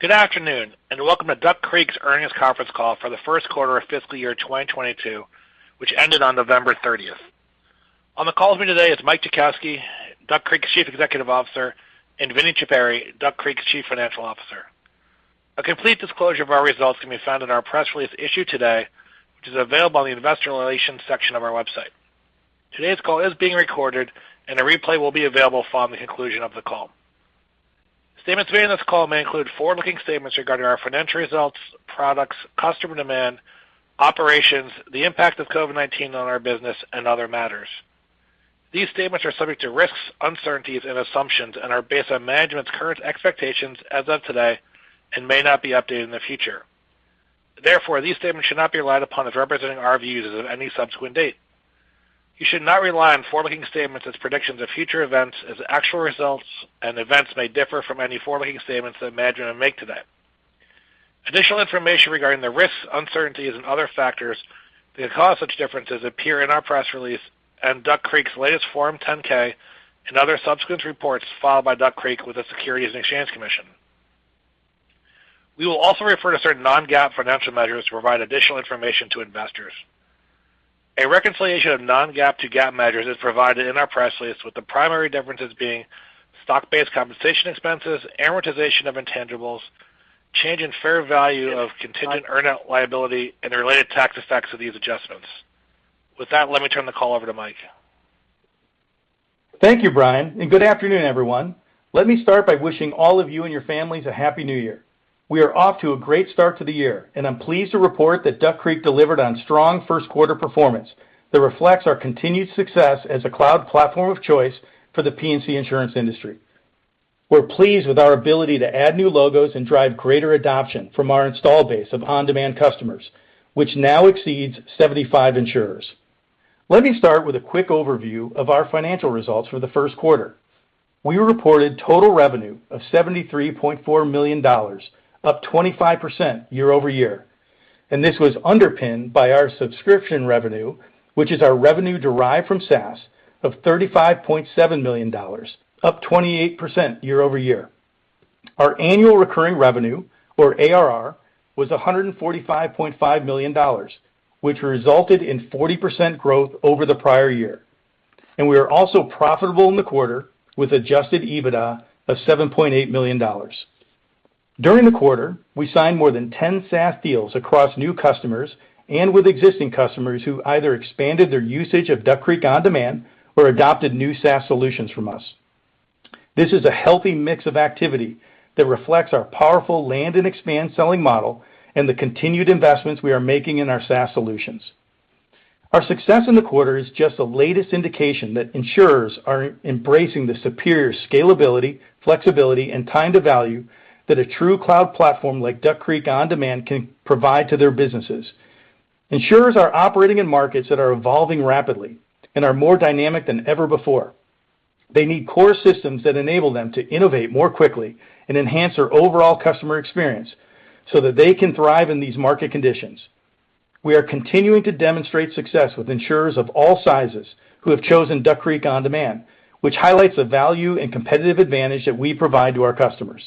Good afternoon, and welcome to Duck Creek's earnings conference call for the first quarter of fiscal year 2022, which ended on November 30th. On the call with me today is Mike Jackowski, Duck Creek's Chief Executive Officer, and Vincent Chippari, Duck Creek's Chief Financial Officer. A complete disclosure of our results can be found in our press release issued today, which is available on the investor relations section of our website. Today's call is being recorded and a replay will be available following the conclusion of the call. Statements made on this call may include forward-looking statements regarding our financial results, products, customer demand, operations, the impact of COVID-19 on our business, and other matters. These statements are subject to risks, uncertainties, and assumptions and are based on management's current expectations as of today and may not be updated in the future. Therefore, these statements should not be relied upon as representing our views as of any subsequent date. You should not rely on forward-looking statements as predictions of future events as actual results and events may differ from any forward-looking statements that management make today. Additional information regarding the risks, uncertainties and other factors that could cause such differences appear in our press release and Duck Creek's latest Form 10-K and other subsequent reports filed by Duck Creek with the Securities and Exchange Commission. We will also refer to certain non-GAAP financial measures to provide additional information to investors. A reconciliation of non-GAAP to GAAP measures is provided in our press release, with the primary differences being stock-based compensation expenses, amortization of intangibles, change in fair value of contingent earnout liability, and the related tax effects of these adjustments. With that, let me turn the call over to Mike. Thank you, Brian, and good afternoon, everyone. Let me start by wishing all of you and your families a Happy New Year. We are off to a great start to the year, and I'm pleased to report that Duck Creek delivered on strong first quarter performance that reflects our continued success as a cloud platform of choice for the P&C insurance industry. We're pleased with our ability to add new logos and drive greater adoption from our installed base of On-Demand customers, which now exceeds 75 insurers. Let me start with a quick overview of our financial results for the first quarter. We reported total revenue of $73.4 million, up 25% year-over-year. This was underpinned by our subscription revenue, which is our revenue derived from SaaS of $35.7 million, up 28% year-over-year. Our annual recurring revenue, or ARR, was $145.5 million, which resulted in 40% growth over the prior year. We are also profitable in the quarter with adjusted EBITDA of $7.8 million. During the quarter, we signed more than 10 SaaS deals across new customers and with existing customers who either expanded their usage of Duck Creek OnDemand or adopted new SaaS solutions from us. This is a healthy mix of activity that reflects our powerful land and expand selling model and the continued investments we are making in our SaaS solutions. Our success in the quarter is just the latest indication that insurers are embracing the superior scalability, flexibility, and time to value that a true cloud platform like Duck Creek OnDemand can provide to their businesses. Insurers are operating in markets that are evolving rapidly and are more dynamic than ever before. They need core systems that enable them to innovate more quickly and enhance their overall customer experience so that they can thrive in these market conditions. We are continuing to demonstrate success with insurers of all sizes who have chosen Duck Creek OnDemand, which highlights the value and competitive advantage that we provide to our customers.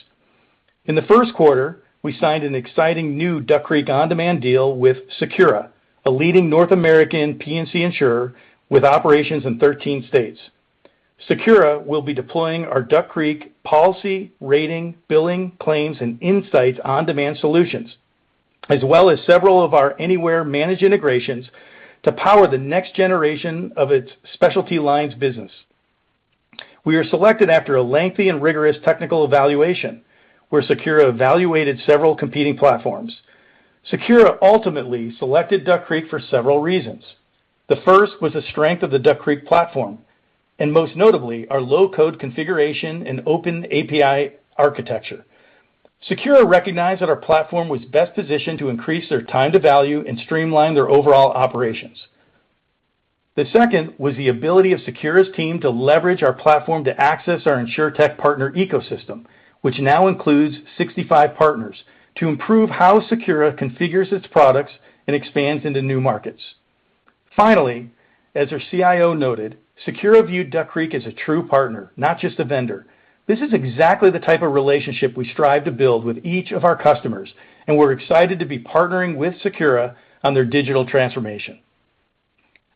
In the first quarter, we signed an exciting new Duck Creek OnDemand deal with SECURA, a leading North American P&C insurer with operations in 13 states. SECURA will be deploying our Duck Creek Policy, Rating, Billing, Claims, and Insights OnDemand solutions, as well as several of our anywhere managed integrations to power the next generation of its specialty lines business. We are selected after a lengthy and rigorous technical evaluation, where SECURA evaluated several competing platforms. SECURA ultimately selected Duck Creek for several reasons. The first was the strength of the Duck Creek platform, and most notably, our low-code configuration and open API architecture. SECURA recognized that our platform was best positioned to increase their time to value and streamline their overall operations. The second was the ability of SECURA's team to leverage our platform to access our InsurTech partner ecosystem, which now includes 65 partners, to improve how SECURA configures its products and expands into new markets. Finally, as their CIO noted, SECURA viewed Duck Creek as a true partner, not just a vendor. This is exactly the type of relationship we strive to build with each of our customers, and we're excited to be partnering with SECURA on their digital transformation.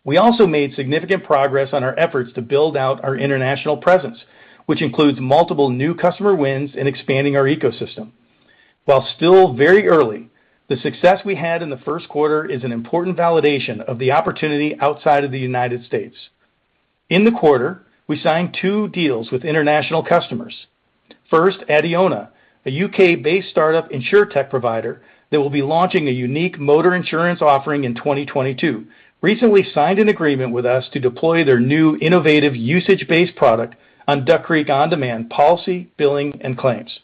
We also made significant progress on our efforts to build out our international presence, which includes multiple new customer wins and expanding our ecosystem. While still very early, the success we had in the first quarter is an important validation of the opportunity outside of the United States. In the quarter, we signed two deals with international customers. First, Adiona, a U.K.-based startup InsurTech provider that will be launching a unique motor insurance offering in 2022, recently signed an agreement with us to deploy their new innovative usage-based product on Duck Creek OnDemand Policy, billing, and Claims.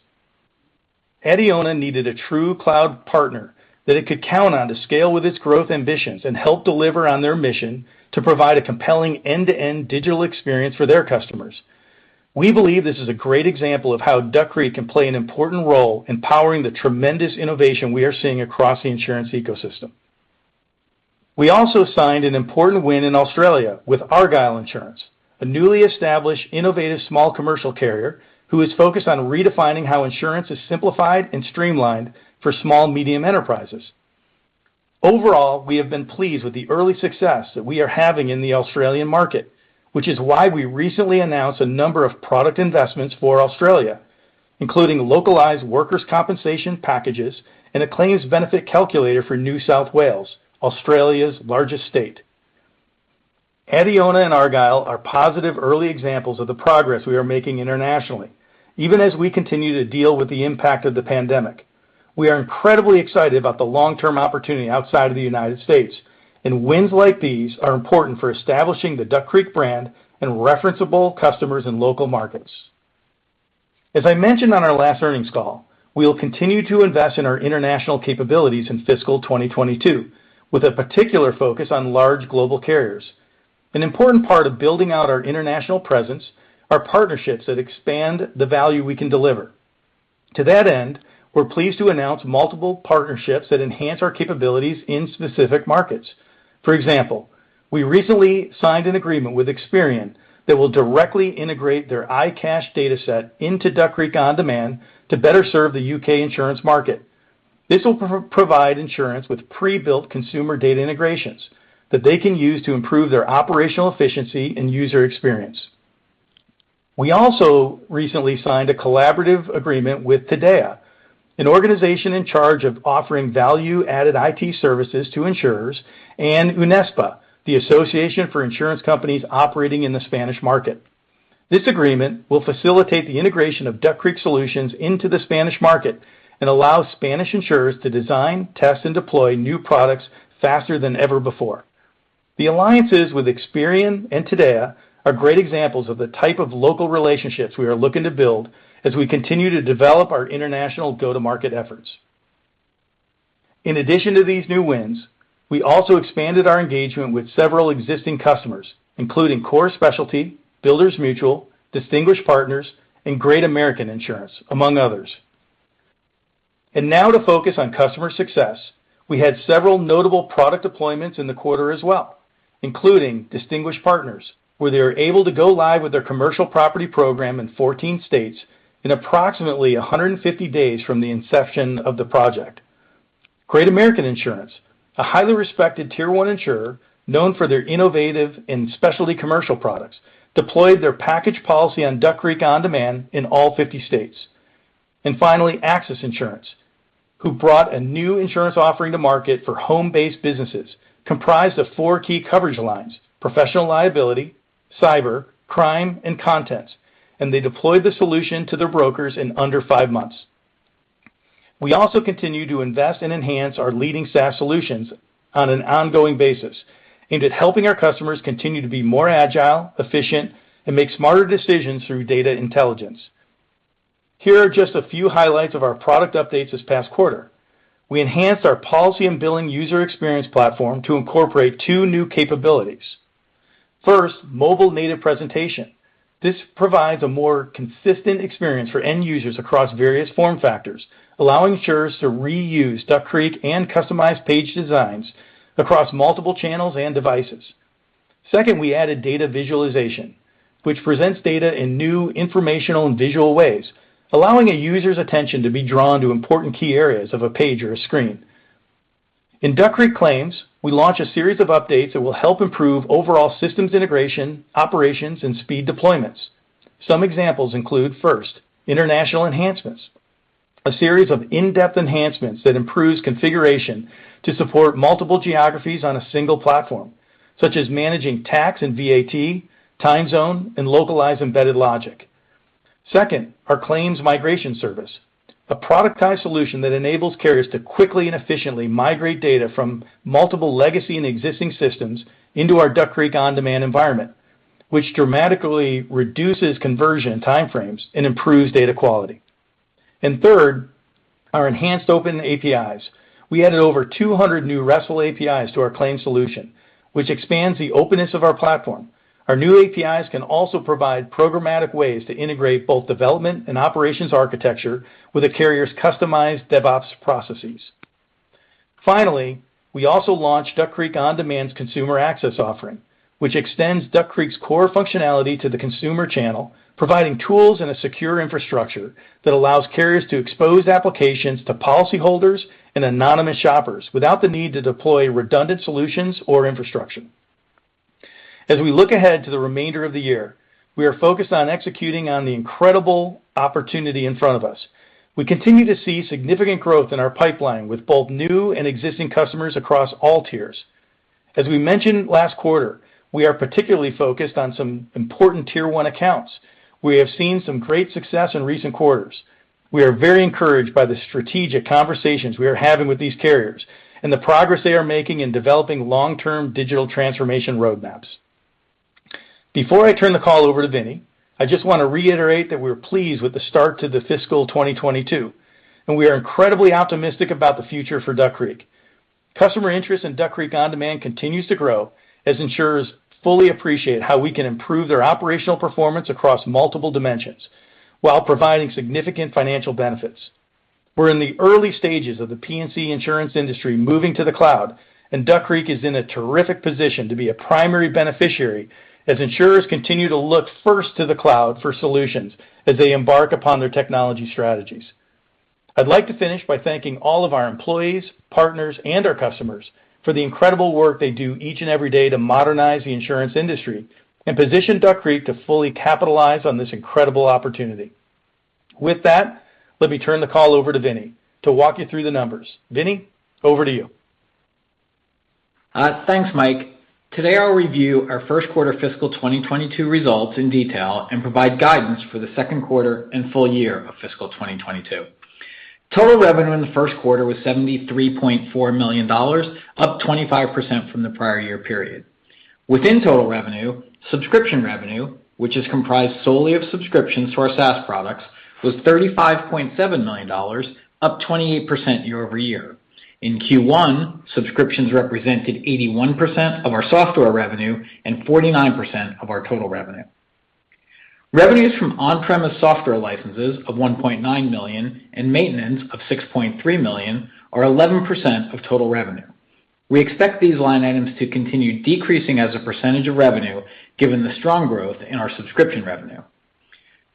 Adiona needed a true cloud partner that it could count on to scale with its growth ambitions and help deliver on their mission to provide a compelling end-to-end digital experience for their customers. We believe this is a great example of how Duck Creek can play an important role in powering the tremendous innovation we are seeing across the insurance ecosystem. We also signed an important win in Australia with Argyle Insurance, a newly established innovative small commercial carrier who is focused on redefining how insurance is simplified and streamlined for small-medium enterprises. Overall, we have been pleased with the early success that we are having in the Australian market, which is why we recently announced a number of product investments for Australia, including localized workers' compensation packages and a claims benefit calculator for New South Wales, Australia's largest state. Adiona and Argyle are positive early examples of the progress we are making internationally, even as we continue to deal with the impact of the pandemic. We are incredibly excited about the long-term opportunity outside of the United States, and wins like these are important for establishing the Duck Creek brand and referenceable customers in local markets. As I mentioned on our last earnings call, we will continue to invest in our international capabilities in fiscal 2022, with a particular focus on large global carriers. An important part of building out our international presence are partnerships that expand the value we can deliver. To that end, we're pleased to announce multiple partnerships that enhance our capabilities in specific markets. For example, we recently signed an agreement with Experian that will directly integrate their iCache data set into Duck Creek OnDemand to better serve the U.K. insurance market. This will provide insurance with pre-built consumer data integrations that they can use to improve their operational efficiency and user experience. We also recently signed a collaborative agreement with TIREA, an organization in charge of offering value-added IT services to insurers, and UNESPA, the Association for Insurance Companies operating in the Spanish market. This agreement will facilitate the integration of Duck Creek solutions into the Spanish market and allow Spanish insurers to design, test and deploy new products faster than ever before. The alliances with Experian and TIREA are great examples of the type of local relationships we are looking to build as we continue to develop our international go-to-market efforts. In addition to these new wins, we also expanded our engagement with several existing customers, including Core Specialty, Builders Mutual, Distinguished Programs, and Great American Insurance, among others. Now to focus on customer success, we had several notable product deployments in the quarter as well, including Distinguished Programs, where they were able to go live with their commercial property program in 14 states in approximately 150 days from the inception of the project. Great American Insurance, a highly respected Tier 1 insurer known for their innovative and specialty commercial products, deployed their package policy on Duck Creek OnDemand in all 50 states. Finally, AXIS Insurance, who brought a new insurance offering to market for home-based businesses comprised of 4 key coverage lines, professional liability, cyber, crime, and contents, and they deployed the solution to their brokers in under 5 months. We also continue to invest and enhance our leading SaaS solutions on an ongoing basis, aimed at helping our customers continue to be more agile, efficient, and make smarter decisions through data intelligence. Here are just a few highlights of our product updates this past quarter. We enhanced our policy and billing user experience platform to incorporate two new capabilities. First, mobile-native presentation. This provides a more consistent experience for end users across various form factors, allowing insurers to reuse Duck Creek and customized page designs across multiple channels and devices. Second, we added data visualization, which presents data in new informational and visual ways, allowing a user's attention to be drawn to important key areas of a page or a screen. In Duck Creek Claims, we launched a series of updates that will help improve overall systems integration, operations, and speed deployments. Some examples include first, international enhancements, a series of in-depth enhancements that improves configuration to support multiple geographies on a single platform, such as managing tax and VAT, time zone, and localized embedded logic. Second, our claims migration service, a productized solution that enables carriers to quickly and efficiently migrate data from multiple legacy and existing systems into our Duck Creek OnDemand environment, which dramatically reduces conversion time frames and improves data quality. Third, our enhanced open APIs. We added over 200 new RESTful APIs to our claims solution, which expands the openness of our platform. Our new APIs can also provide programmatic ways to integrate both development and operations architecture with a carrier's customized DevOps processes. Finally, we also launched Duck Creek OnDemand's consumer access offering, which extends Duck Creek's core functionality to the consumer channel, providing tools and a secure infrastructure that allows carriers to expose applications to policyholders and anonymous shoppers without the need to deploy redundant solutions or infrastructure. As we look ahead to the remainder of the year, we are focused on executing on the incredible opportunity in front of us. We continue to see significant growth in our pipeline with both new and existing customers across all tiers. As we mentioned last quarter, we are particularly focused on some important Tier 1 accounts. We have seen some great success in recent quarters. We are very encouraged by the strategic conversations we are having with these carriers and the progress they are making in developing long-term digital transformation roadmaps. Before I turn the call over to Vini, I just want to reiterate that we're pleased with the start to the fiscal 2022, and we are incredibly optimistic about the future for Duck Creek. Customer interest in Duck Creek OnDemand continues to grow as insurers fully appreciate how we can improve their operational performance across multiple dimensions while providing significant financial benefits. We're in the early stages of the P&C insurance industry moving to the cloud, and Duck Creek is in a terrific position to be a primary beneficiary as insurers continue to look first to the cloud for solutions as they embark upon their technology strategies. I'd like to finish by thanking all of our employees, partners, and our customers for the incredible work they do each and every day to modernize the insurance industry and position Duck Creek to fully capitalize on this incredible opportunity. With that, let me turn the call over to Vini to walk you through the numbers. Vini, over to you. Thanks, Mike. Today, I'll review our first quarter fiscal 2022 results in detail and provide guidance for the second quarter and full year of fiscal 2022. Total revenue in the first quarter was $73.4 million, up 25% from the prior year period. Within total revenue, subscription revenue, which is comprised solely of subscriptions to our SaaS products, was $35.7 million, up 28% year-over-year. In Q1, subscriptions represented 81% of our software revenue and 49% of our total revenue. Revenues from on-premise software licenses of $1.9 million and maintenance of $6.3 million are 11% of total revenue. We expect these line items to continue decreasing as a percentage of revenue given the strong growth in our subscription revenue.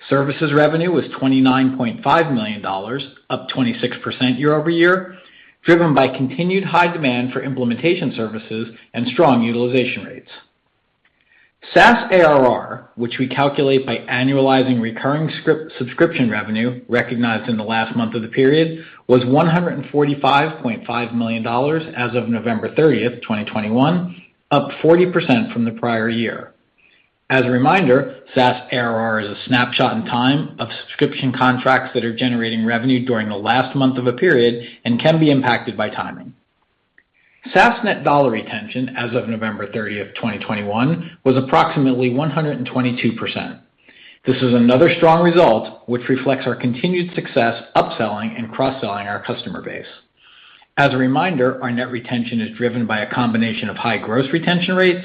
Services revenue was $29.5 million, up 26% year-over-year, driven by continued high demand for implementation services and strong utilization rates. SaaS ARR, which we calculate by annualizing recurring subscription revenue recognized in the last month of the period, was $145.5 million as of November 30th, 2021, up 40% from the prior year. As a reminder, SaaS ARR is a snapshot in time of subscription contracts that are generating revenue during the last month of a period and can be impacted by timing. SaaS net dollar retention as of November 30th, 2021, was approximately 122%. This is another strong result which reflects our continued success upselling and cross-selling our customer base. As a reminder, our net retention is driven by a combination of high gross retention rates,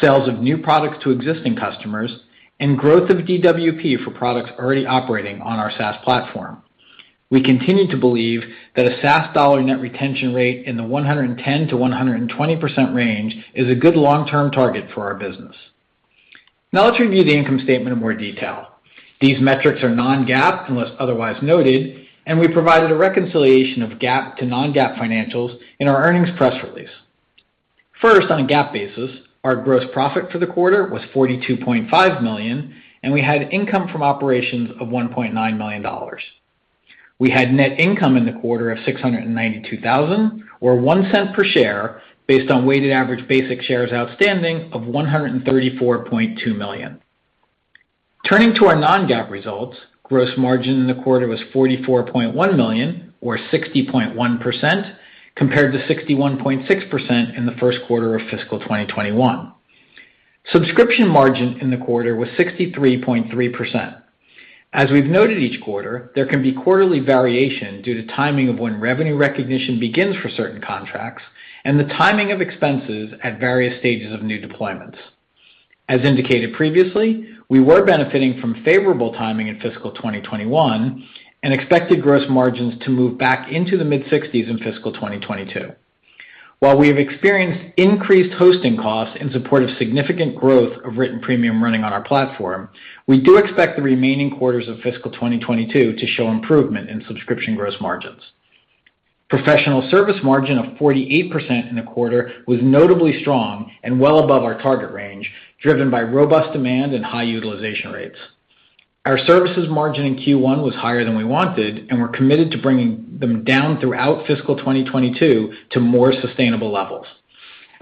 sales of new products to existing customers, and growth of DWP for products already operating on our SaaS platform. We continue to believe that a SaaS dollar net retention rate in the 110%-120% range is a good long-term target for our business. Now let's review the income statement in more detail. These metrics are non-GAAP unless otherwise noted, and we provided a reconciliation of GAAP to non-GAAP financials in our earnings press release. First, on a GAAP basis, our gross profit for the quarter was $42.5 million, and we had income from operations of $1.9 million. We had net income in the quarter of $692,000, or $0.01 per share based on weighted average basic shares outstanding of 134.2 million. Turning to our non-GAAP results, gross margin in the quarter was $44.1 million or 60.1% compared to 61.6% in the first quarter of fiscal 2021. Subscription margin in the quarter was 63.3%. As we've noted each quarter, there can be quarterly variation due to timing of when revenue recognition begins for certain contracts and the timing of expenses at various stages of new deployments. As indicated previously, we were benefiting from favorable timing in fiscal 2021 and expected gross margins to move back into the mid-60s percent in fiscal 2022. While we have experienced increased hosting costs in support of significant growth of written premium running on our platform, we do expect the remaining quarters of fiscal 2022 to show improvement in subscription gross margins. Professional service margin of 48% in the quarter was notably strong and well above our target range, driven by robust demand and high utilization rates. Our services margin in Q1 was higher than we wanted, and we're committed to bringing them down throughout fiscal 2022 to more sustainable levels.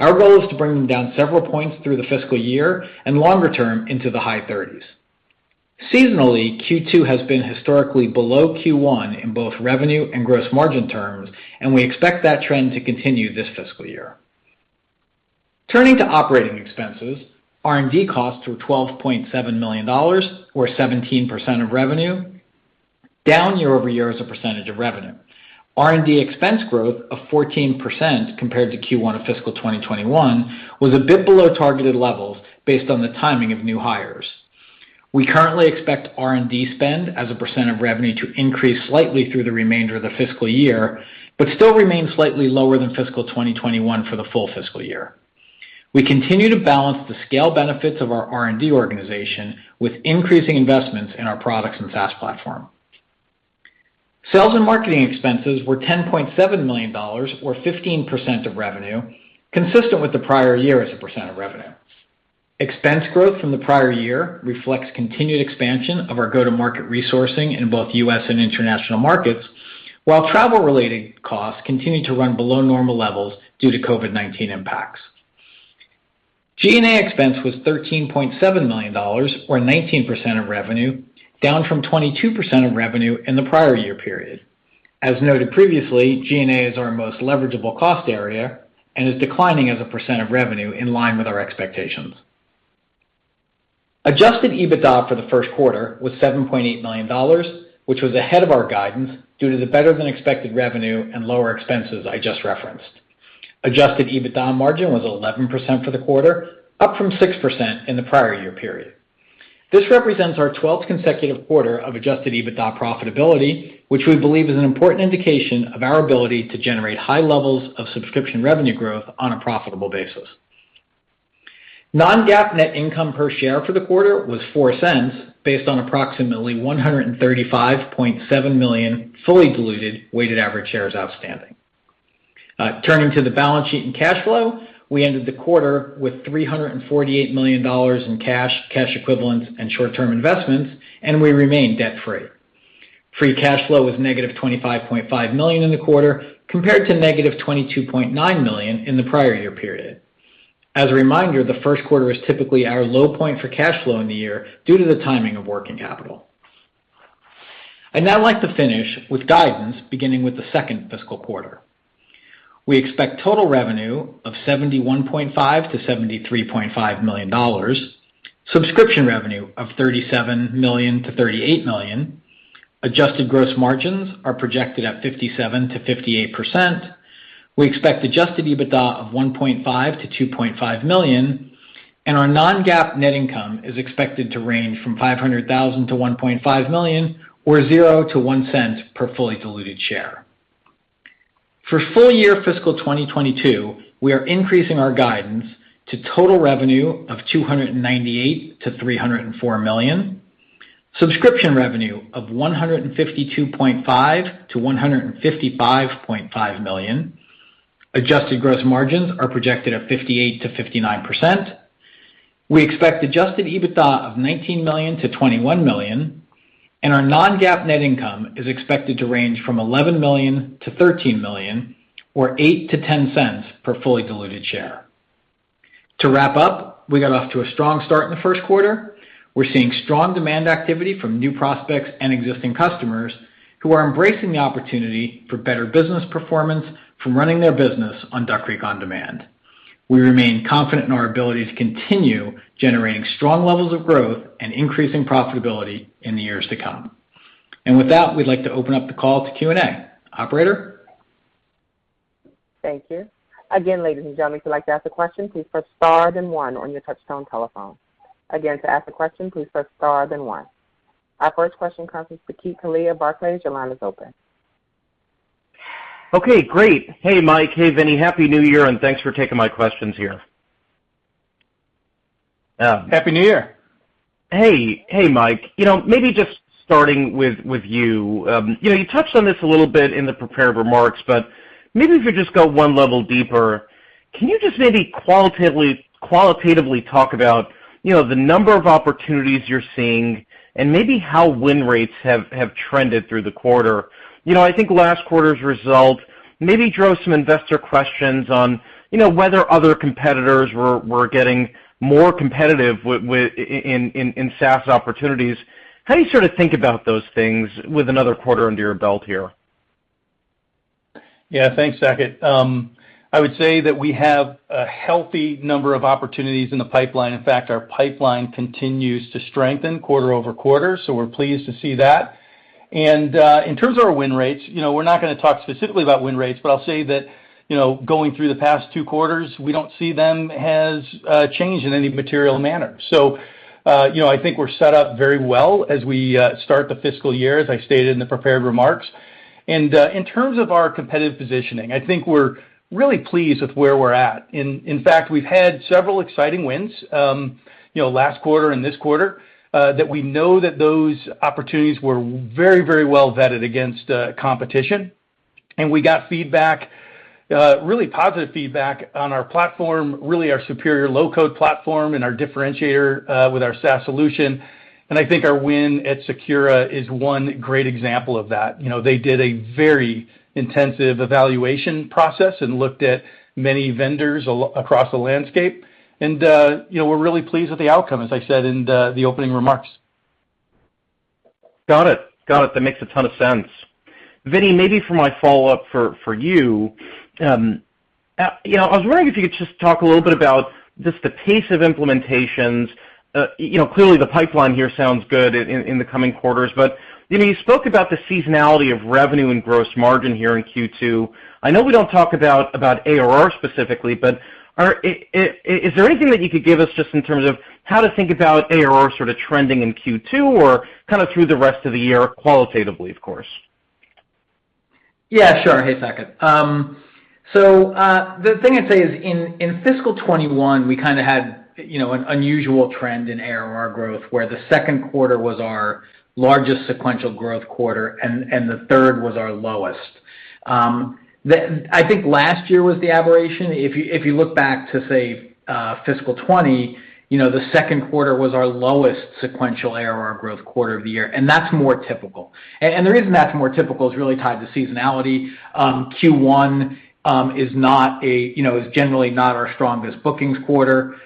Our goal is to bring them down several points through the fiscal year and longer-term into the high thirties. Seasonally, Q2 has been historically below Q1 in both revenue and gross margin terms, and we expect that trend to continue this fiscal year. Turning to operating expenses, R&D costs were $12.7 million or 17% of revenue, down year-over-year as a percentage of revenue. R&D expense growth of 14% compared to Q1 of fiscal 2021 was a bit below targeted levels based on the timing of new hires. We currently expect R&D spend as a percent of revenue to increase slightly through the remainder of the fiscal year, but still remain slightly lower than fiscal 2021 for the full fiscal year. We continue to balance the scale benefits of our R&D organization with increasing investments in our products and SaaS platform. Sales and marketing expenses were $10.7 million or 15% of revenue, consistent with the prior year as a percent of revenue. Expense growth from the prior year reflects continued expansion of our go-to-market resourcing in both U.S. and international markets, while travel-related costs continue to run below normal levels due to COVID-19 impacts. G&A expense was $13.7 million or 19% of revenue, down from 22% of revenue in the prior year period. As noted previously, G&A is our most leveragable cost area and is declining as a percent of revenue in line with our expectations. Adjusted EBITDA for the first quarter was $7.8 million, which was ahead of our guidance due to the better-than-expected revenue and lower expenses I just referenced. Adjusted EBITDA margin was 11% for the quarter, up from 6% in the prior year period. This represents our 12th consecutive quarter of adjusted EBITDA profitability, which we believe is an important indication of our ability to generate high levels of subscription revenue growth on a profitable basis. Non-GAAP net income per share for the quarter was $0.04 based on approximately 135.7 million fully diluted weighted average shares outstanding. Turning to the balance sheet and cash flow, we ended the quarter with $348 million in cash equivalents and short-term investments, and we remain debt-free. Free cash flow was negative $25.5 million in the quarter compared to negative $22.9 million in the prior year period. As a reminder, the first quarter is typically our low point for cash flow in the year due to the timing of working capital. I'd now like to finish with guidance beginning with the second fiscal quarter. We expect total revenue of $71.5 million-$73.5 million, subscription revenue of $37 million-$38 million. Adjusted gross margins are projected at 57%-58%. We expect adjusted EBITDA of $1.5 million-$2.5 million, and our non-GAAP net income is expected to range from $500,000-$1.5 million or $0.00-$0.01 per fully diluted share. For full year fiscal 2022, we are increasing our guidance to total revenue of $298 million-$304 million. Subscription revenue of $152.5 million-$155.5 million. Adjusted gross margins are projected at 58%-59%. We expect adjusted EBITDA of $19 million-$21 million, and our non-GAAP net income is expected to range from $11 million-$13 million or $0.08-$0.10 per fully diluted share. To wrap up, we got off to a strong start in the first quarter. We're seeing strong demand activity from new prospects and existing customers who are embracing the opportunity for better business performance from running their business on Duck Creek OnDemand. We remain confident in our ability to continue generating strong levels of growth and increasing profitability in the years to come. With that, we'd like to open up the call to Q&A. Operator? Thank you. Again, ladies and gentlemen, if you'd like to ask a question, please press star then one on your touchtone telephone. Again, to ask a question, please press star then one. Our first question comes from Saket Kalia, Barclays. Your line is open. Okay, great. Hey, Mike. Hey, Vini. Happy New Year, and thanks for taking my questions here. Happy New Year. Hey, Mike, you know, maybe just starting with you. You know, you touched on this a little bit in the prepared remarks, but maybe if you just go one level deeper. Can you just maybe qualitatively talk about, you know, the number of opportunities you're seeing and maybe how win rates have trended through the quarter? You know, I think last quarter's result maybe drove some investor questions on, you know, whether other competitors were getting more competitive in SaaS opportunities. How do you sort of think about those things with another quarter under your belt here? Yeah, thanks, Saket. I would say that we have a healthy number of opportunities in the pipeline. In fact, our pipeline continues to strengthen quarter-over-quarter, so we're pleased to see that. In terms of our win rates, you know, we're not going to talk specifically about win rates, but I'll say that, you know, going through the past two quarters, we don't see them as change in any material manner. You know, I think we're set up very well as we start the fiscal year, as I stated in the prepared remarks. In terms of our competitive positioning, I think we're really pleased with where we're at. In fact, we've had several exciting wins, you know, last quarter and this quarter, that we know that those opportunities were very, very well vetted against competition. We got feedback, really positive feedback on our platform, really our superior low-code platform and our differentiator with our SaaS solution. I think our win at SECURA is one great example of that. You know, they did a very intensive evaluation process and looked at many vendors across the landscape. You know, we're really pleased with the outcome, as I said in the opening remarks. Got it. That makes a ton of sense. Vini, maybe for my follow-up for you. You know, I was wondering if you could just talk a little bit about just the pace of implementations. You know, clearly the pipeline here sounds good in the coming quarters. You spoke about the seasonality of revenue and gross margin here in Q2. I know we don't talk about ARR specifically, but is there anything that you could give us just in terms of how to think about ARR sort of trending in Q2 or kind of through the rest of the year qualitatively of course? Yeah, sure. Hey, Saket. The thing I'd say is in fiscal 2021, we kind of had, you know, an unusual trend in ARR growth, where the second quarter was our largest sequential growth quarter and the third was our lowest. I think last year was the aberration. If you look back to, say, fiscal 2020, you know, the second quarter was our lowest sequential ARR growth quarter of the year, and that's more typical. The reason that's more typical is really tied to seasonality. Q1 is generally not our strongest bookings quarter.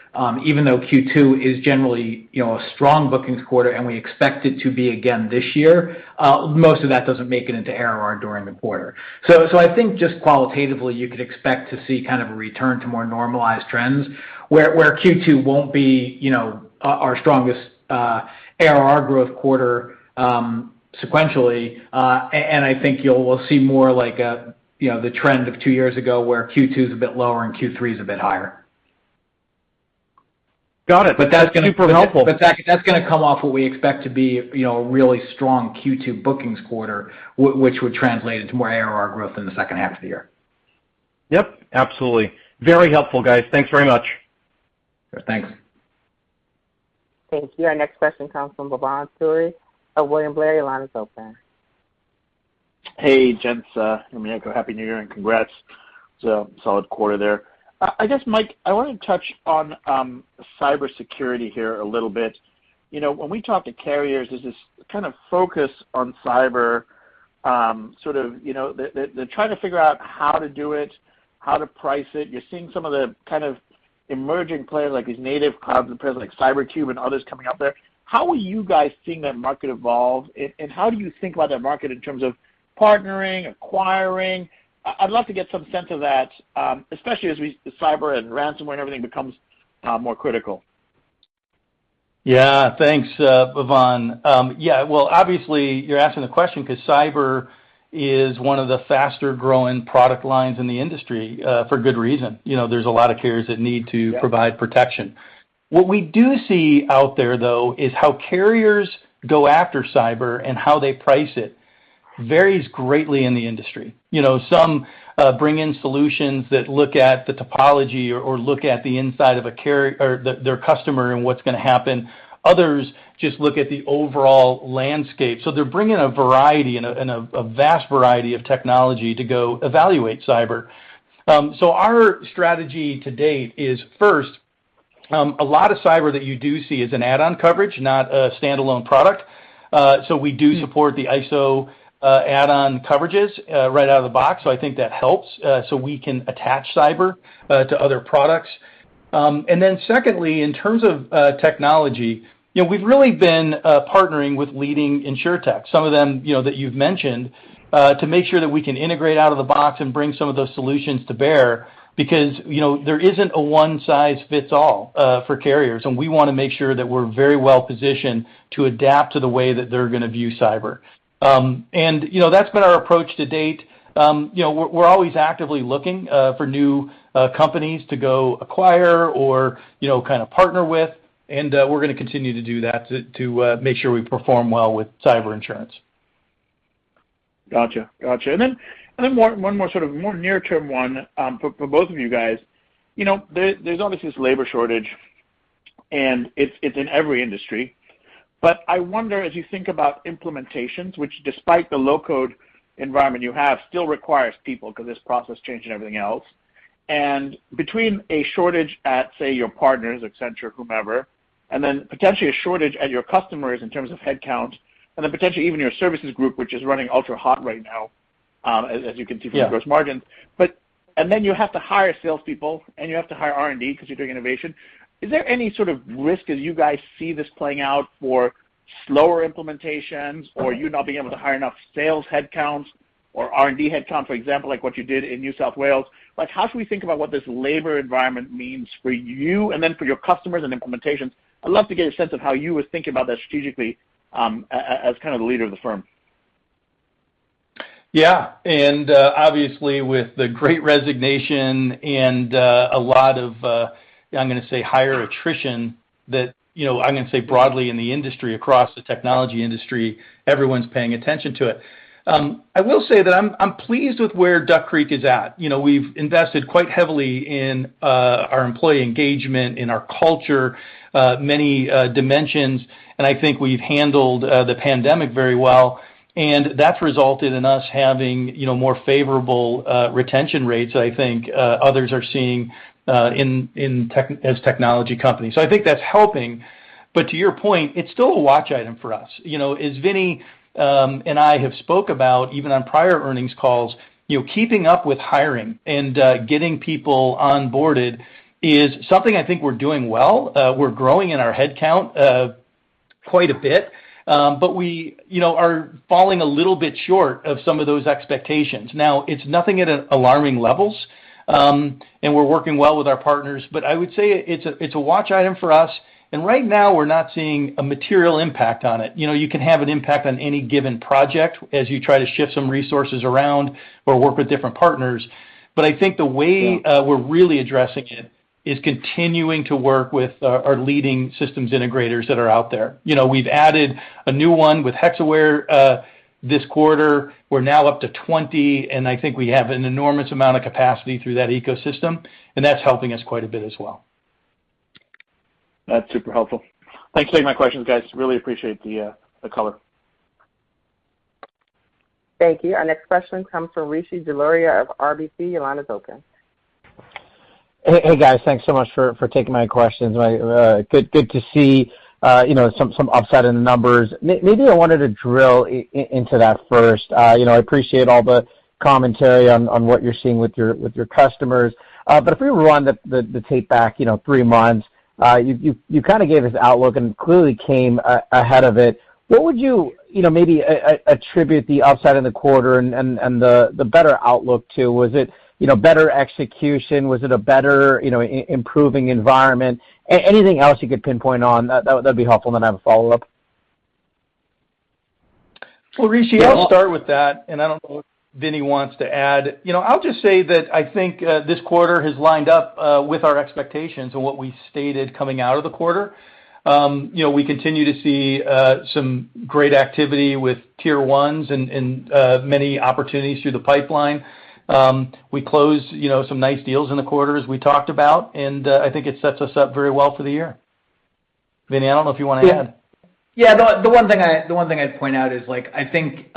Even though Q2 is generally, you know, a strong bookings quarter and we expect it to be again this year, most of that doesn't make it into ARR during the quarter. I think just qualitatively, you could expect to see kind of a return to more normalized trends where Q2 won't be, you know, our strongest ARR growth quarter sequentially. I think we'll see more like, you know, the trend of two years ago where Q2 is a bit lower and Q3 is a bit higher. Got it. Super helpful That's going to come off what we expect to be, you know, a really strong Q2 bookings quarter, which would translate into more ARR growth in the second half of the year. Yep, absolutely. Very helpful, guys. Thanks very much. Sure. Thanks. Thank you. Our next question comes from Bhavan Suri of William Blair. Line is open. Hey, gents, and Mike. Happy New Year, and congrats. It's a solid quarter there. I guess, Mike, I wanted to touch on cybersecurity here a little bit. You know, when we talk to carriers, there's this kind of focus on cyber, sort of, you know, they're trying to figure out how to do it, how to price it. You're seeing some of the kind of emerging players like these native cloud players like CyberCube and others coming out there. How are you guys seeing that market evolve, and how do you think about that market in terms of partnering, acquiring? I'd love to get some sense of that, especially as cyber and ransomware and everything becomes more critical. Yeah, thanks, Bhavan. Yeah, well, obviously you're asking the question 'cause cyber is one of the faster-growing product lines in the industry, for good reason. You know, there's a lot of carriers that need to provide protection. What we do see out there, though, is how carriers go after cyber and how they price it varies greatly in the industry. You know, some bring in solutions that look at the topology or look at the inside of their customer and what's going to happen. Others just look at the overall landscape. They're bringing a variety and a vast variety of technology to go evaluate cyber. Our strategy to date is, first, a lot of cyber that you do see is an add-on coverage, not a standalone product. We do support the ISO add-on coverages right out of the box, so I think that helps, so we can attach cyber to other products. Secondly, in terms of technology, you know, we've really been partnering with leading InsurTech, some of them, you know, that you've mentioned to make sure that we can integrate out of the box and bring some of those solutions to bear because, you know, there isn't a one size fits all for carriers, and we want to make sure that we're very well positioned to adapt to the way that they're going to view cyber. You know, that's been our approach to date. You know, we're always actively looking for new companies to go acquire or, you know, kind of partner with, and we're going to continue to do that to make sure we perform well with cyber insurance. Got you. Then one more sort of more near-term one for both of you guys. You know, there's obviously this labor shortage, and it's in every industry. I wonder as you think about implementations, which despite the low-code environment you have still requires people because there's process change and everything else. Between a shortage at, say, your partners, Accenture, whomever, and then potentially a shortage at your customers in terms of headcount, and then potentially even your services group, which is running ultra hot right now, as you can see from gross margins. Then you have to hire salespeople, and you have to hire R&D because you're doing innovation. Is there any sort of risk as you guys see this playing out for slower implementations or you not being able to hire enough sales headcounts or R&D headcount, for example, like what you did in New South Wales? Like, how should we think about what this labor environment means for you and then for your customers and implementations? I'd love to get a sense of how you would think about that strategically, as kind of the leader of the firm. Yeah. Obviously with the great resignation and a lot of higher attrition that you know broadly in the industry across the technology industry everyone's paying attention to it. I will say that I'm pleased with where Duck Creek is at. You know we've invested quite heavily in our employee engagement in our culture many dimensions and I think we've handled the pandemic very well and that's resulted in us having you know more favorable retention rates I think others are seeing in tech as technology companies. I think that's helping. To your point it's still a watch item for us. You know, as Vini and I have spoke about even on prior earnings calls, you know, keeping up with hiring and getting people onboarded is something I think we're doing well. We're growing in our headcount quite a bit. We, you know, are falling a little bit short of some of those expectations. Now, it's nothing at an alarming levels and we're working well with our partners. I would say it's a watch item for us. Right now we're not seeing a material impact on it. You know, you can have an impact on any given project as you try to shift some resources around or work with different partners. I think the way we're really addressing is continuing to work with our leading systems integrators that are out there. You know, we've added a new one with Hexaware this quarter. We're now up to 20, and I think we have an enormous amount of capacity through that ecosystem, and that's helping us quite a bit as well. That's super helpful. Thanks for taking my questions, guys. Really appreciate the color. Thank you. Our next question comes from Rishi Jaluria of RBC. Your line is open. Hey, guys. Thanks so much for taking my questions. Good to see, you know, some upside in the numbers. Maybe I wanted to drill into that first. You know, I appreciate all the commentary on what you're seeing with your customers. If we rewind the tape back, you know, three months, you kind of gave us outlook and clearly came ahead of it. What would you know, maybe attribute the upside in the quarter and the better outlook to? Was it better execution? Was it a better, you know, improving environment? Anything else you could pinpoint on that'd be helpful. And then I have a follow-up. Well, Rishi, I'll start with that, and I don't know if Vini wants to add. You know, I'll just say that I think this quarter has lined up with our expectations and what we stated coming out of the quarter. You know, we continue to see some great activity with Tier 1s and many opportunities through the pipeline. We closed, you know, some nice deals in the quarter as we talked about, and I think it sets us up very well for the year. Vini, I don't know if you want to add. Yeah. The one thing I'd point out is like, I think,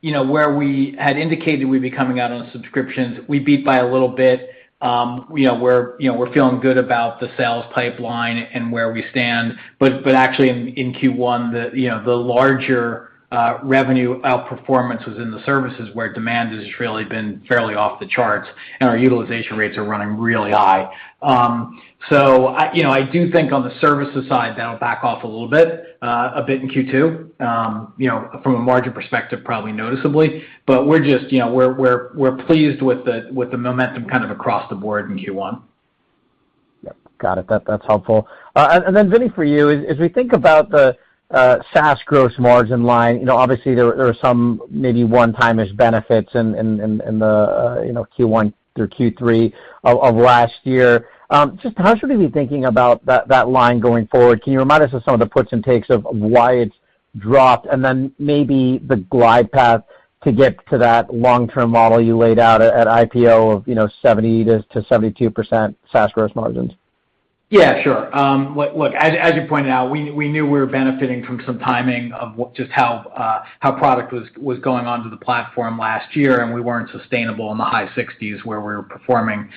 you know, where we had indicated we'd be coming out on subscriptions, we beat by a little bit. You know, we're feeling good about the sales pipeline and where we stand. Actually in Q1, the larger revenue outperformance was in the services where demand has really been fairly off the charts, and our utilization rates are running really high. You know, I do think on the services side that'll back off a little bit, a bit in Q2, you know, from a margin perspective, probably noticeably. We're just, you know, pleased with the momentum kind of across the board in Q1. Yep. Got it. That's helpful. Vini, for you, as we think about the SaaS gross margin line, you know, obviously, there are some maybe one-time-ish benefits in the Q1 through Q3 of last year. Just how should we be thinking about that line going forward? Can you remind us of some of the puts and takes of why it's dropped? Maybe the glide path to get to that long-term model you laid out at IPO of 70%-72% SaaS gross margins. Yeah, sure. Look, as you pointed out, we knew we were benefiting from some timing of just how product was going onto the platform last year, and we weren't sustainable in the high 60s percent where we were performing.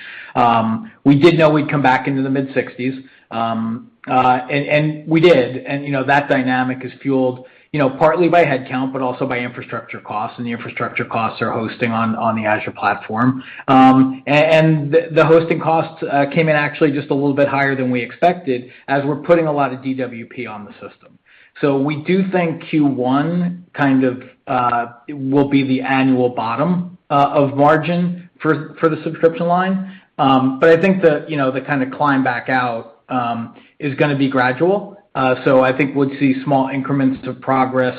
We did know we'd come back into the mid-60s percent. We did. You know, that dynamic is fueled, you know, partly by head count, but also by infrastructure costs, and the infrastructure costs are hosting on the Azure platform, and the hosting costs came in actually just a little bit higher than we expected as we're putting a lot of DWP on the system. We do think Q1 kind of will be the annual bottom of margin for the subscription line. I think the kind of climb back out is going to be gradual. I think we'll see small increments of progress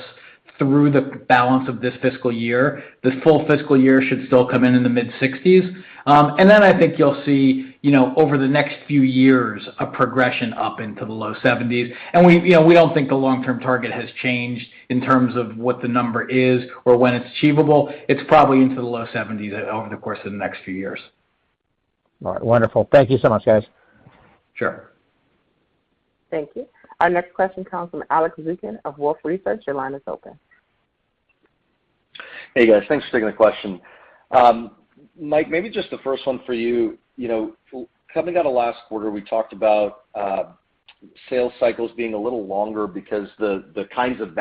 through the balance of this fiscal year. The full fiscal year should still come in in the mid-60s percent. I think you'll see, you know, over the next few years, a progression up into the low 70s percent. We, you know, we don't think the long-term target has changed in terms of what the number is or when it's achievable. It's probably into the low 70s percent over the course of the next few years. All right. Wonderful. Thank you so much, guys. Sure. Thank you. Our next question comes from Alex Zukin of Wolfe Research. Your line is open. Hey, guys. Thanks for taking the question. Mike, maybe just the first one for you. You know, coming out of last quarter, we talked about sales cycles being a little longer because the kinds of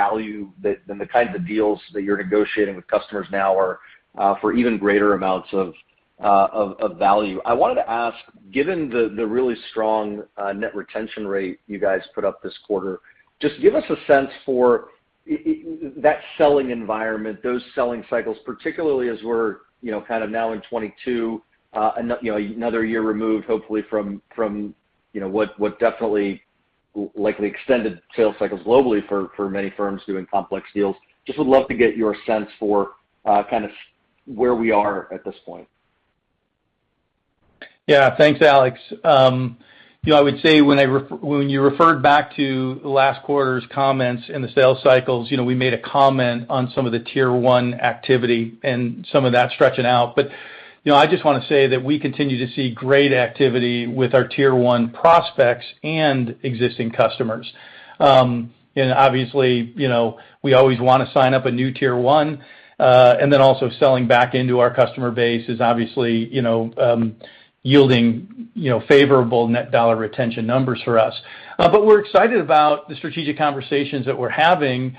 deals that you're negotiating with customers now are for even greater amounts of value. I wanted to ask, given the really strong net retention rate you guys put up this quarter, just give us a sense for that selling environment, those selling cycles, particularly as we're, you know, kind of now in 2022, another year removed hopefully from what definitely likely extended sales cycles globally for many firms doing complex deals. Just would love to get your sense for kind of where we are at this point. Yeah. Thanks, Alex. You know, I would say when you referred back to last quarter's comments in the sales cycles, you know, we made a comment on some of the Tier 1 activity and some of that stretching out. You know, I just want to say that we continue to see great activity with our Tier 1 prospects and existing customers. Obviously, you know, we always want to sign up a new Tier 1, and then also selling back into our customer base is obviously, you know, yielding, you know, favorable net dollar retention numbers for us. We're excited about the strategic conversations that we're having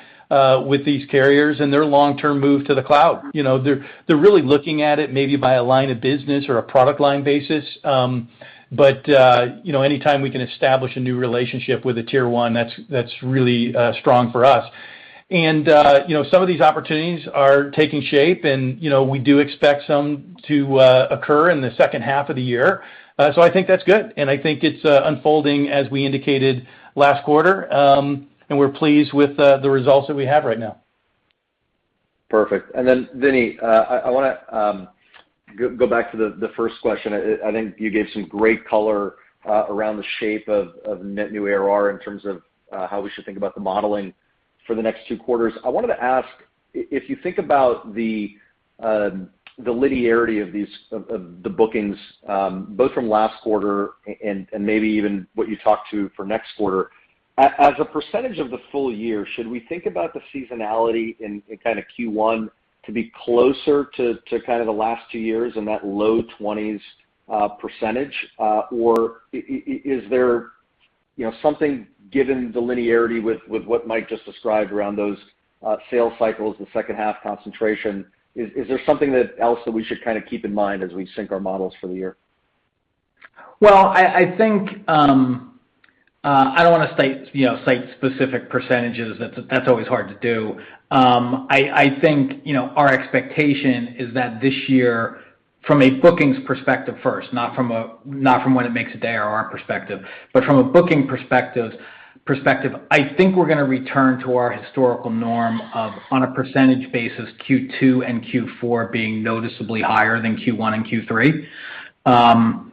with these carriers and their long-term move to the cloud. You know, they're really looking at it maybe by a line of business or a product line basis. You know, anytime we can establish a new relationship with a Tier 1, that's really strong for us. You know, some of these opportunities are taking shape and, you know, we do expect some to occur in the second half of the year. I think that's good, and I think it's unfolding as we indicated last quarter. We're pleased with the results that we have right now. Perfect. Vini, I want to go back to the first question. I think you gave some great color around the shape of net new ARR in terms of how we should think about the modeling for the next two quarters. I wanted to ask, if you think about the linearity of these bookings both from last quarter and maybe even what you talked about for next quarter, as a percentage of the full year, should we think about the seasonality in kind of Q1 to be closer to kind of the last two years in that low 20s percentage? You know, something given the linearity with what Mike just described around those sales cycles, the second half concentration, is there something else that we should kind of keep in mind as we sync our models for the year? Well, I think I don't want to state, you know, specific percentages. That's always hard to do. I think, you know, our expectation is that this year. From a bookings perspective first, not from a revenue recognition perspective, but from a bookings perspective, I think we're going to return to our historical norm of on a percentage basis Q2 and Q4 being noticeably higher than Q1 and Q3.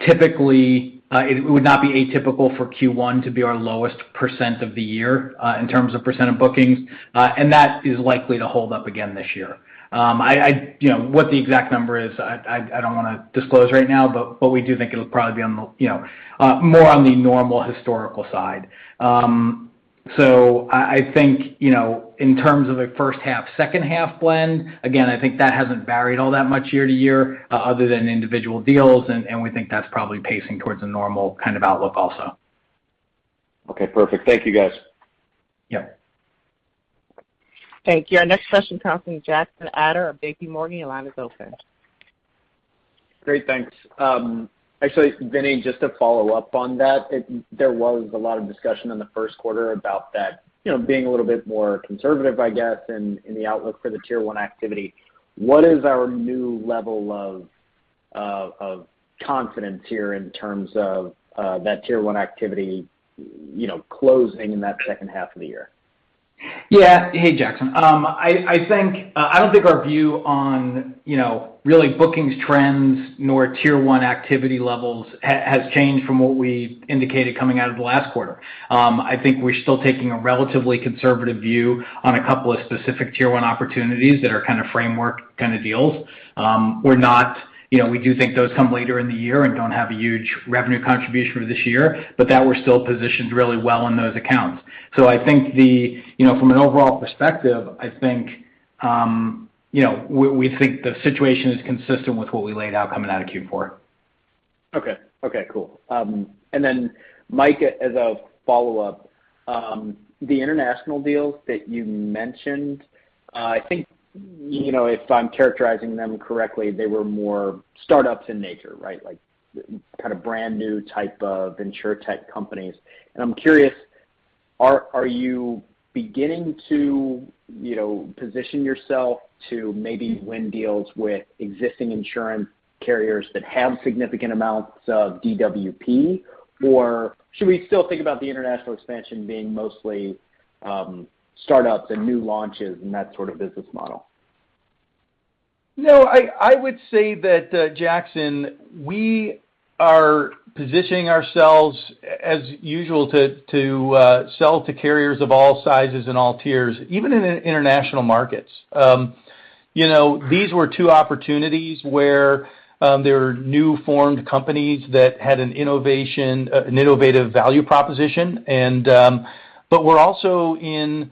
Typically, it would not be atypical for Q1 to be our lowest percent of the year in terms of percent of bookings. That is likely to hold up again this year. You know, what the exact number is, I don't want to disclose right now, but we do think it'll probably be on the, you know, more on the normal historical side. I think, you know, in terms of the first half, second half blend, again, I think that hasn't varied all that much year to year, other than individual deals, and we think that's probably pacing towards a normal kind of outlook also. Okay, perfect. Thank you, guys. Yeah. Thank you. Our next question comes from Jackson Ader of JPMorgan. Your line is open. Great, thanks. Actually, Vini, just to follow up on that, there was a lot of discussion in the first quarter about that, you know, being a little bit more conservative, I guess, in the outlook for the Tier 1 activity. What is our new level of confidence here in terms of that Tier 1 activity, you know, closing in that second half of the year? Hey, Jackson. I don't think our view on, you know, really bookings trends nor Tier 1 activity levels has changed from what we indicated coming out of the last quarter. I think we're still taking a relatively conservative view on a couple of specific Tier 1 opportunities that are kind of framework kind of deals. You know, we do think those come later in the year and don't have a huge revenue contribution for this year, but that we're still positioned really well in those accounts. You know, from an overall perspective, I think, you know, we think the situation is consistent with what we laid out coming out of Q4. Okay. Okay, cool. And then Mike, as a follow-up, the international deals that you mentioned, I think, you know, if I'm characterizing them correctly, they were more start-ups in nature, right? Like kind of brand new type of InsurTech companies. I'm curious, are you beginning to, you know, position yourself to maybe win deals with existing insurance carriers that have significant amounts of DWP, or should we still think about the international expansion being mostly, startups and new launches and that sort of business model? No, I would say that, Jackson, we are positioning ourselves as usual to sell to carriers of all sizes and all tiers, even in international markets. You know, these were two opportunities where there were newly formed companies that had an innovative value proposition. But we're also in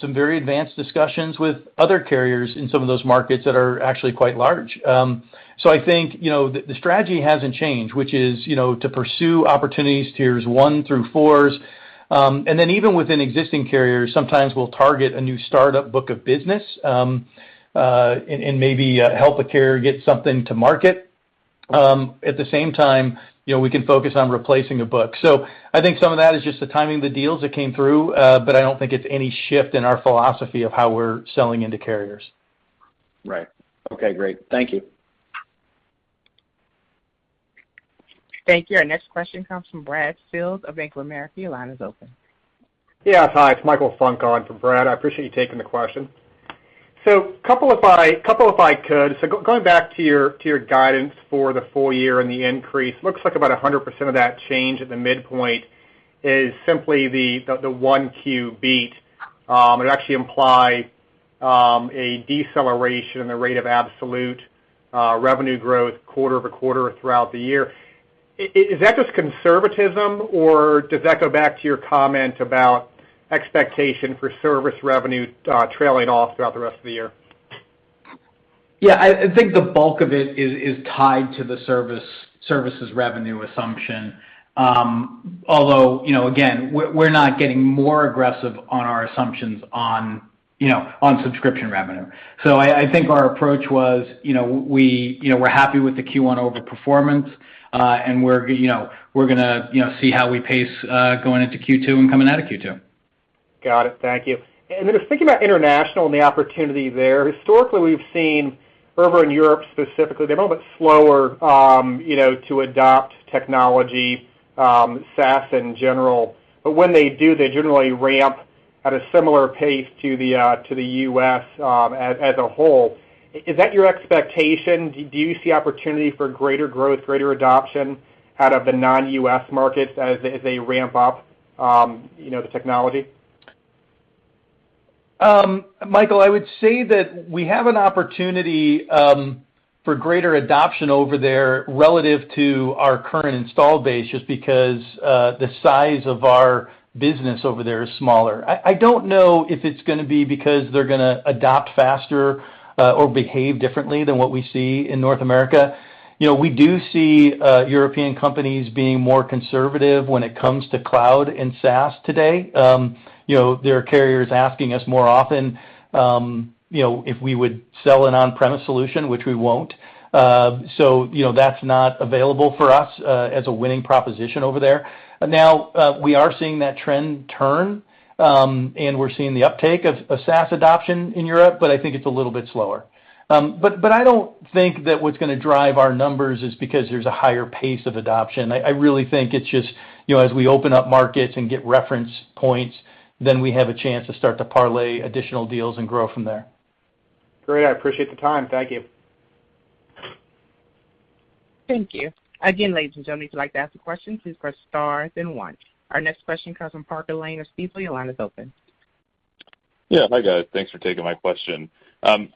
some very advanced discussions with other carriers in some of those markets that are actually quite large. I think, you know, the strategy hasn't changed, which is, you know, to pursue opportunities Tiers 1 through 4. Then even within existing carriers, sometimes we'll target a new startup book of business, and maybe help a carrier get something to market. At the same time, you know, we can focus on replacing a book. I think some of that is just the timing of the deals that came through, but I don't think it's any shift in our philosophy of how we're selling into carriers. Right. Okay, great. Thank you. Thank you. Our next question comes from Brad Sills of Bank of America. Your line is open. Hi, it's Michael Funk on for Brad. I appreciate you taking the question. A couple if I could. Going back to your guidance for the full year and the increase, looks like about 100% of that change at the midpoint is simply the 1Q beat. It actually imply a deceleration in the rate of absolute revenue growth quarter-over-quarter throughout the year. Is that just conservatism or does that go back to your comment about expectation for service revenue trailing off throughout the rest of the year? Yeah, I think the bulk of it is tied to the services revenue assumption. Although, you know, again, we're not getting more aggressive on our assumptions on, you know, subscription revenue. I think our approach was, you know, we're happy with the Q1 overperformance, and we're going to see how we pace going into Q2 and coming out of Q2. Got it. Thank you. Just thinking about international and the opportunity there. Historically, we've seen over in Europe specifically, they're a little bit slower, you know, to adopt technology, SaaS in general, but when they do, they generally ramp at a similar pace to the U.S., as a whole. Is that your expectation? Do you see opportunity for greater growth, greater adoption out of the non-U.S. markets as they ramp up, you know, the technology? Michael, I would say that we have an opportunity for greater adoption over there relative to our current installed base just because the size of our business over there is smaller. I don't know if it's going to be because they're going to adopt faster or behave differently than what we see in North America. You know, we do see European companies being more conservative when it comes to cloud and SaaS today. You know, there are carriers asking us more often, you know, if we would sell an on-premise solution, which we won't. You know, that's not available for us as a winning proposition over there. Now, we are seeing that trend turn, and we're seeing the uptake of SaaS adoption in Europe, but I think it's a little bit slower. I don't think that what's going to drive our numbers is because there's a higher pace of adoption. I really think it's just, you know, as we open up markets and get reference points, then we have a chance to start to parlay additional deals and grow from there. Great. I appreciate the time. Thank you. Thank you. Again, ladies and gentlemen, if you'd like to ask a question, please press star then one. Our next question comes from Parker Lane of Stifel. Your line is open. Yeah. Hi, guys. Thanks for taking my question.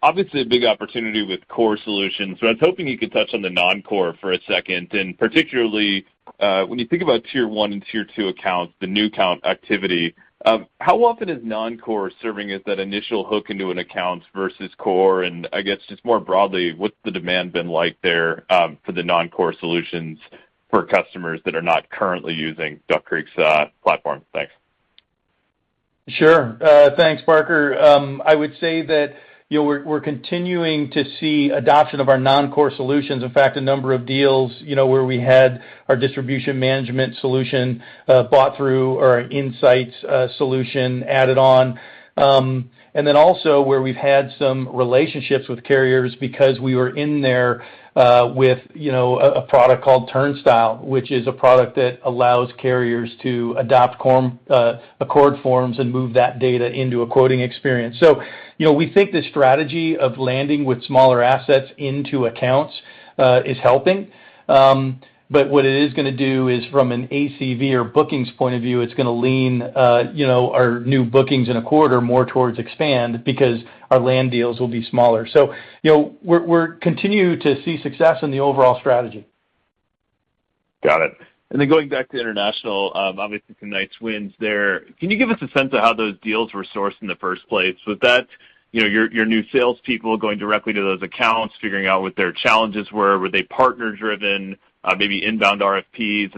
Obviously a big opportunity with core solutions, but I was hoping you could touch on the non-core for a second, and particularly, when you think about Tier 1 and Tier 2 accounts, the new account activity, how often is non-core serving as that initial hook into an account versus core? And I guess just more broadly, what's the demand been like there, for the non-core solutions for customers that are not currently using Duck Creek's platform? Thanks. Sure. Thanks, Parker. I would say that, you know, we're continuing to see adoption of our non-core solutions. In fact, a number of deals, you know, where we had our Distribution Management solution bought through or our Insights solution added on. And then also where we've had some relationships with carriers because we were in there with, you know, a product called Turnstile, which is a product that allows carriers to adopt ACORD forms and move that data into a quoting experience. So, you know, we think the strategy of landing with smaller assets into accounts is helping. But what it is going to do is from an ACV or bookings point of view, it's going to lean, you know, our new bookings in a quarter more towards expand because our land deals will be smaller. You know, we're continue to see success in the overall strategy. Got it. Going back to international, obviously some nice wins there. Can you give us a sense of how those deals were sourced in the first place? Was that, you know, your new salespeople going directly to those accounts, figuring out what their challenges were? Were they partner-driven, maybe inbound RFPs?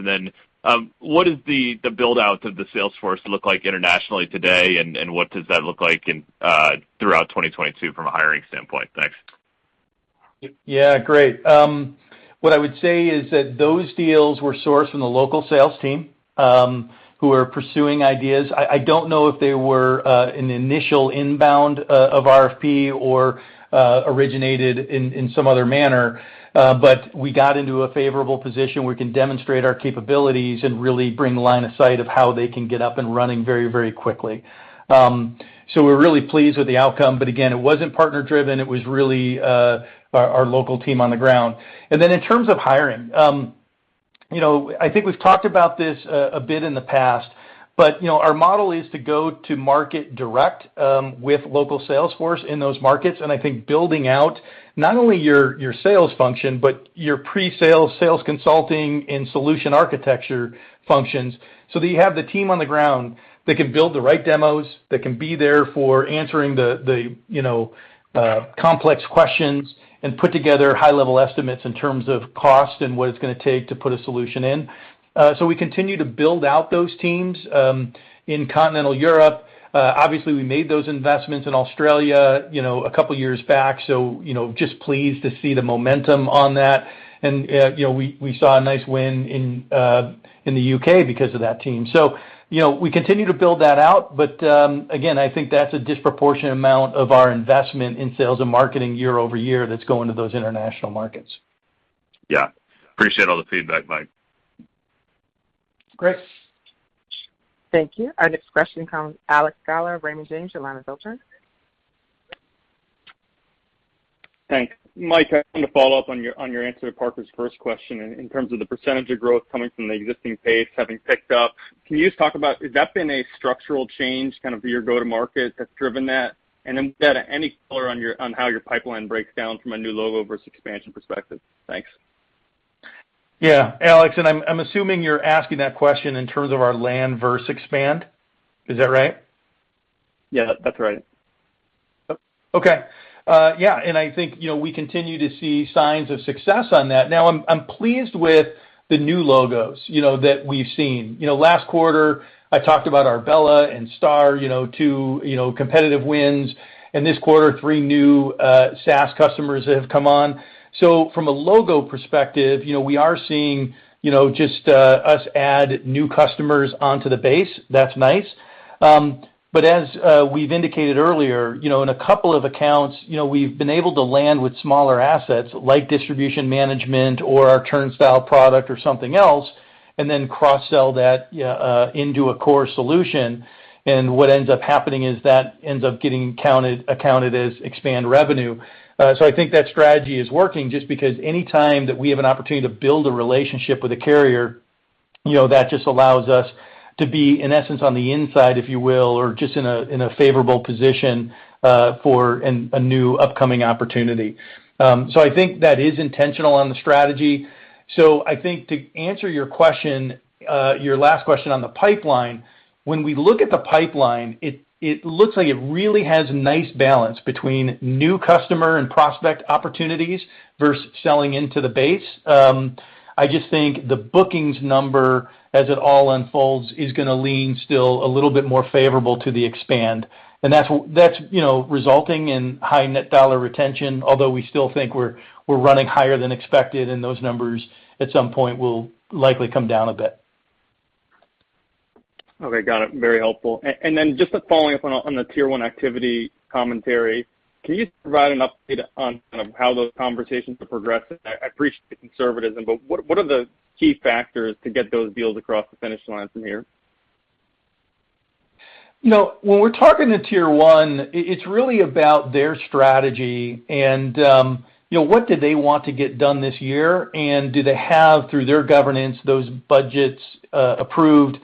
What is the build-out of the sales force look like internationally today, and what does that look like in, throughout 2022 from a hiring standpoint? Thanks. Yeah. Great. What I would say is that those deals were sourced from the local sales team, who are pursuing ideas. I don't know if they were an initial inbound of RFP or originated in some other manner, but we got into a favorable position where we can demonstrate our capabilities and really bring line of sight of how they can get up and running very, very quickly. So we're really pleased with the outcome, but again, it wasn't partner-driven. It was really our local team on the ground. In terms of hiring, you know, I think we've talked about this a bit in the past, but, you know, our model is to go to market direct, with local sales force in those markets. I think building out not only your sales function, but your pre-sales, sales consulting and solution architecture functions so that you have the team on the ground that can build the right demos, that can be there for answering the you know complex questions and put together high-level estimates in terms of cost and what it's going to take to put a solution in. We continue to build out those teams in continental Europe. Obviously we made those investments in Australia, you know, a couple years back, so you know just pleased to see the momentum on that. You know we saw a nice win in the U.K. because of that team. You know we continue to build that out. Again, I think that's a disproportionate amount of our investment in sales and marketing year over year that's going to those international markets. Yeah. Appreciate all the feedback, Mike. Great. Thank you. Our next question comes from Alex Sklar, Raymond James. Your line is open. Thanks. Mike, I want to follow up on your answer to Parker's first question in terms of the percentage of growth coming from the existing base having picked up. Can you just talk about, has that been a structural change, kind of your go-to-market that's driven that? And then with that, any color on how your pipeline breaks down from a new logo versus expansion perspective? Thanks. Yeah. Alex, and I'm assuming you're asking that question in terms of our land versus expand. Is that right? Yeah, that's right. Okay. Yeah, I think, you know, we continue to see signs of success on that. Now I'm pleased with the new logos, you know, that we've seen. You know, last quarter I talked about Arbella and Starr, you know, two competitive wins. This quarter, three new SaaS customers that have come on. From a logo perspective, you know, we are seeing, you know, just us add new customers onto the base. That's nice. But as we've indicated earlier, you know, in a couple of accounts, you know, we've been able to land with smaller assets like Distribution Management or our Turnstile product or something else, and then cross-sell that into a core solution. What ends up happening is that ends up getting accounted as expansion revenue. I think that strategy is working just because any time that we have an opportunity to build a relationship with a carrier, you know, that just allows us to be, in essence, on the inside, if you will, or just in a favorable position for a new upcoming opportunity. I think that is intentional on the strategy. I think to answer your question, your last question on the pipeline, when we look at the pipeline, it looks like it really has nice balance between new customer and prospect opportunities versus selling into the base. I just think the bookings number, as it all unfolds, is going to lean still a little bit more favorable to the expand. That's, you know, resulting in high net dollar retention, although we still think we're running higher than expected, and those numbers at some point will likely come down a bit. Okay, got it. Very helpful. Just following up on the Tier 1 activity commentary, can you provide an update on kind of how those conversations are progressing? I appreciate the conservatism, but what are the key factors to get those deals across the finish line from here? You know, when we're talking to Tier 1, it's really about their strategy and, you know, what do they want to get done this year, and do they have, through their governance, those budgets approved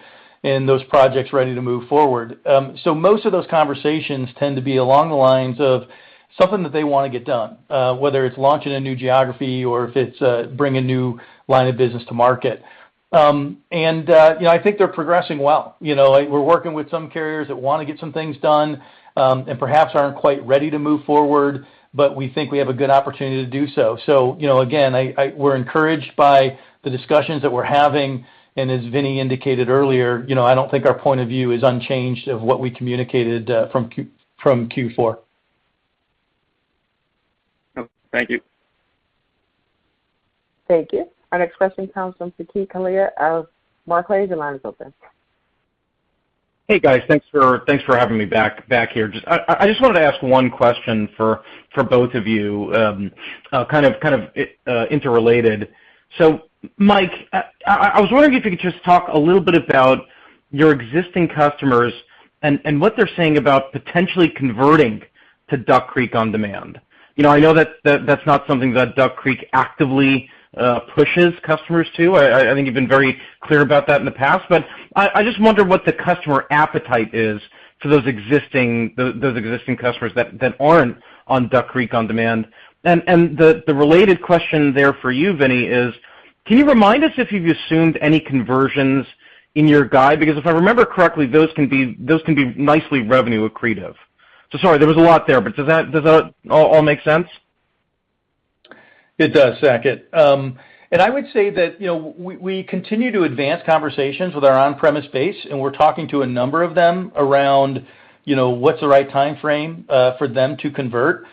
and those projects ready to move forward. Most of those conversations tend to be along the lines of something that they want to get done, whether it's launching a new geography or if it's bringing a new line of business to market. You know, I think they're progressing well. You know, we're working with some carriers that want to get some things done and perhaps aren't quite ready to move forward, but we think we have a good opportunity to do so. You know, again, we're encouraged by the discussions that we're having. As Vini indicated earlier, you know, I don't think our point of view is unchanged from what we communicated from Q4. Okay. Thank you. Thank you. Our next question comes from Saket Kalia of Barclays. Your line is open. Hey, guys. Thanks for having me back here. I just wanted to ask one question for both of you, kind of interrelated. Mike, I was wondering if you could just talk a little bit about your existing customers and what they're saying about potentially converting to Duck Creek OnDemand. You know, I know that that's not something that Duck Creek actively pushes customers to. I think you've been very clear about that in the past, but I just wonder what the customer appetite is for those existing customers that aren't on Duck Creek OnDemand. The related question there for you, Vini, is can you remind us if you've assumed any conversions in your guide? Because if I remember correctly, those can be nicely revenue accretive. Sorry there was a lot there, but does that all make sense? It does, Saket. I would say that, you know, we continue to advance conversations with our on-premise base, and we're talking to a number of them around, you know, what's the right timeframe for them to convert.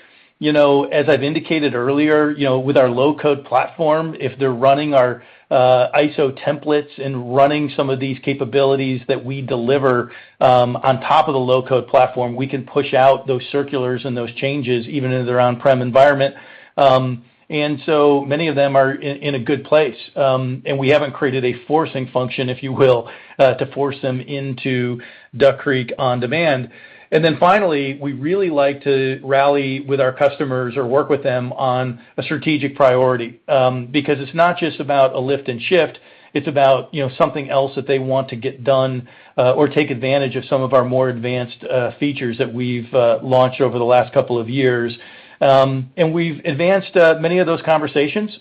You know, as I've indicated earlier, you know, with our low-code platform, if they're running our ISO templates and running some of these capabilities that we deliver on top of the low-code platform, we can push out those circulars and those changes even in their on-prem environment. Many of them are in a good place. We haven't created a forcing function, if you will, to force them into Duck Creek OnDemand. Finally, we really like to rally with our customers or work with them on a strategic priority, because it's not just about a lift and shift. It's about, you know, something else that they want to get done, or take advantage of some of our more advanced features that we've launched over the last couple of years. We've advanced many of those conversations.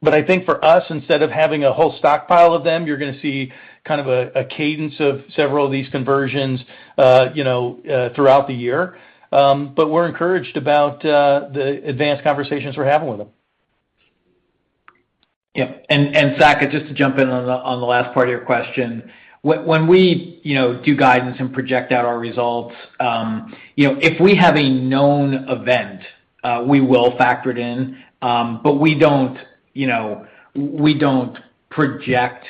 I think for us, instead of having a whole stockpile of them, you're going to see kind of a cadence of several of these conversions, you know, throughout the year. We're encouraged about the advanced conversations we're having with them. Yeah. Saket, just to jump in on the last part of your question. When we, you know, do guidance and project out our results, you know, if we have a known event, we will factor it in, but you know, we don't project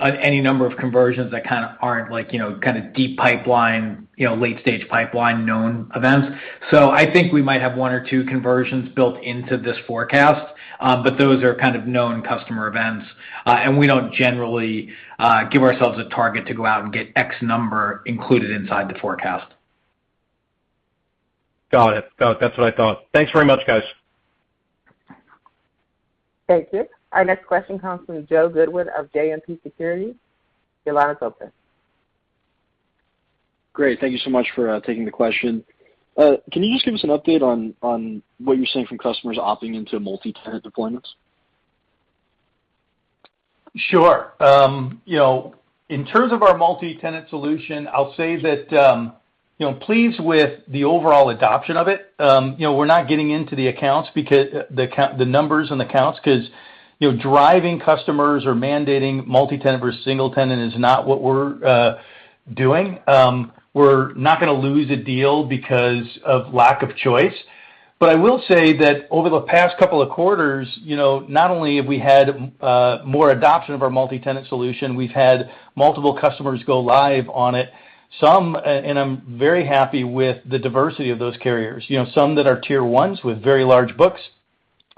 any number of conversions that kind of aren't like, you know, kind of deep pipeline, you know, late-stage pipeline known events. I think we might have one or two conversions built into this forecast, but those are kind of known customer events. We don't generally give ourselves a target to go out and get X number included inside the forecast. Got it. That's what I thought. Thanks very much, guys. Thank you. Our next question comes from Joe Goodwin of JMP Securities. Your line is open. Great. Thank you so much for taking the question. Can you just give us an update on what you're seeing from customers opting into multi-tenant deployments? Sure. You know, in terms of our multi-tenant solution, I'll say that I'm pleased with the overall adoption of it. You know, we're not getting into the numbers and accounts because, you know, driving customers or mandating multi-tenant versus single-tenant is not what we're doing. We're not going to lose a deal because of lack of choice. But I will say that over the past couple of quarters, you know, not only have we had more adoption of our multi-tenant solution, we've had multiple customers go live on it. Some and I'm very happy with the diversity of those carriers. You know, some that are Tier 1s with very large books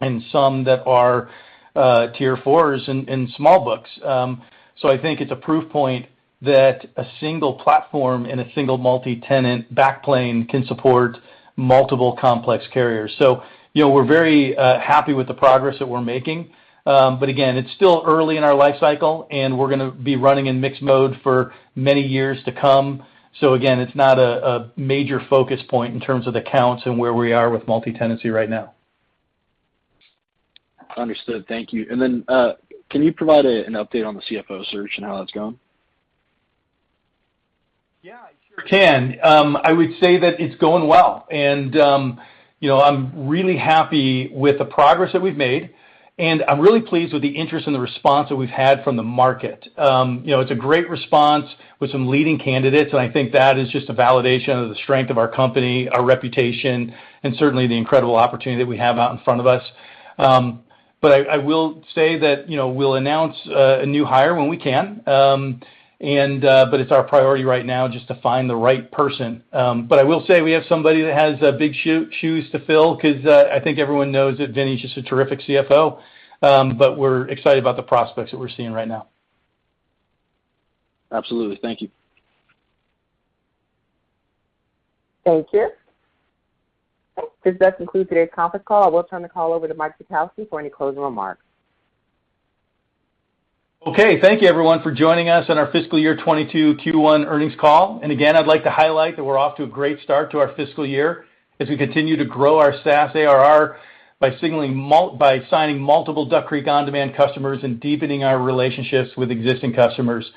and some that are Tier 4s and small books. I think it's a proof point that a single platform and a single multi-tenant backplane can support multiple complex carriers. You know, we're very happy with the progress that we're making. Again, it's still early in our life cycle, and we're going to be running in mixed mode for many years to come. Again, it's not a major focus point in terms of the counts and where we are with multi-tenancy right now. Understood. Thank you. Can you provide an update on the CFO search and how that's going? Yeah, I sure can. I would say that it's going well. You know, I'm really happy with the progress that we've made, and I'm really pleased with the interest and the response that we've had from the market. You know, it's a great response with some leading candidates, and I think that is just a validation of the strength of our company, our reputation, and certainly the incredible opportunity that we have out in front of us. I will say that, you know, we'll announce a new hire when we can. It's our priority right now just to find the right person. I will say we have somebody that has big shoes to fill because I think everyone knows that Vini's just a terrific CFO. We're excited about the prospects that we're seeing right now. Absolutely. Thank you. Thank you. This does conclude today's conference call. I will turn the call over to Mike Jackowski for any closing remarks. Okay. Thank you everyone for joining us on our fiscal year 2022 Q1 earnings call. Again, I'd like to highlight that we're off to a great start to our fiscal year as we continue to grow our SaaS ARR by signing multiple Duck Creek OnDemand customers and deepening our relationships with existing customers.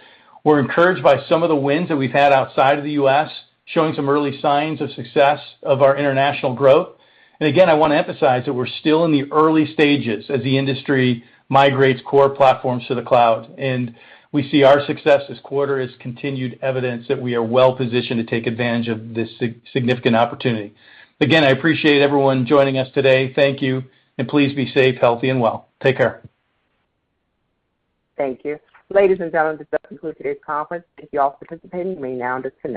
We're encouraged by some of the wins that we've had outside of the U.S., showing some early signs of success of our international growth. Again, I want to emphasize that we're still in the early stages as the industry migrates core platforms to the cloud. We see our success this quarter as continued evidence that we are well-positioned to take advantage of this significant opportunity. Again, I appreciate everyone joining us today. Thank you, and please be safe, healthy, and well. Take care. Thank you. Ladies and gentlemen, this does conclude today's conference. Thank you all for participating. You may now disconnect.